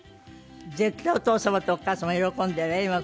絶対お父様とお母様喜んでるわよ